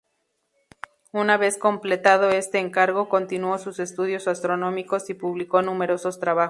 Una vez completado este encargo, continuó sus estudios astronómicos, y publicó numerosos trabajos.